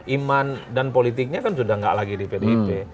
iman dan politiknya kan sudah tidak lagi di pdip